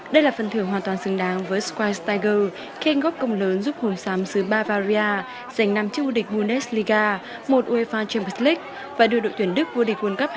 đây là phần thưởng hoàn toàn xứng đáng với schweinsteiger khi anh góp công lớn giúp hồn xám xứ bavaria giành năm chiếc vua địch bundesliga một uefa champions league và đưa đội tuyển đức vua địch quân cấp hai nghìn một mươi bốn